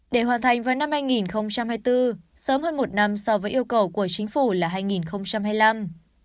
để hoàn thành vào năm hai nghìn hai mươi bốn sớm hơn một năm so với yêu cầu của chính phủ là hai nghìn hai mươi năm